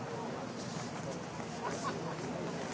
โปรดติดตามต่อไป